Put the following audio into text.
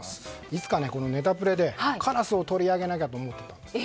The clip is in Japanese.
いつかネタプレでカラスを取り上げなきゃと思っていたんです。